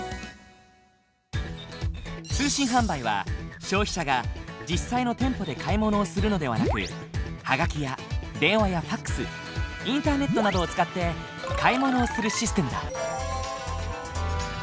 通信販売は消費者が実際の店舗で買い物をするのではなくハガキや電話やファックスインターネットなどを使って買い物をするシステムだ。